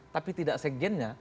tapi tidak sekjennya